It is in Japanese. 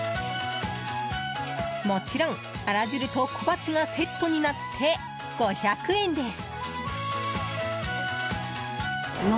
もちろん、アラ汁と小鉢がセットになって５００円です。